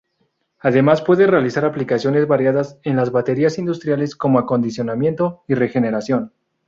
Además puede realizar aplicaciones variadas en las baterías industriales como acondicionamiento y regeneración.